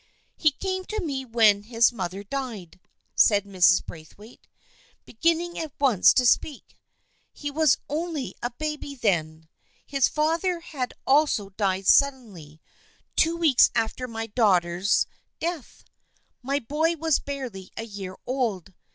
" He came to me when his mother died," said Mrs. Braithwaite, beginning at once to speak. " He was only a baby then. His father had also died suddenly, two weeks after my daughter's THE FKIENDSHIP OF ANNE 281 death. My boy was barely a year old.